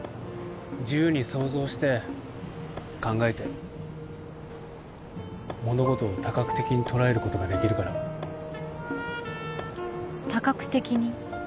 自由に想像して考えて物事を多角的に捉えることができるから多角的に？